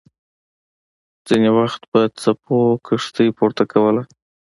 ځینې وخت به څپو کښتۍ پورته کوله.